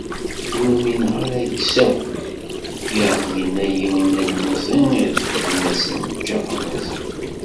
"Ur umineɣ ara yis-s akk", i aɣ-d-yenna yiwen n yilemẓi i irefden asenǧaq amaziɣ.